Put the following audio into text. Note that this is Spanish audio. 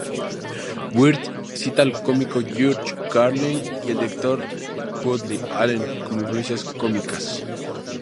Wright cita al cómico George Carlin y al director Woody Allen como influencias cómicas.